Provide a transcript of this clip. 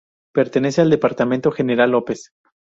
Pertenece al departamento General López.